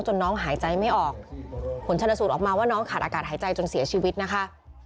น้องหายใจไม่ออกผลชนสูตรออกมาว่าน้องขาดอากาศหายใจจนเสียชีวิตนะคะ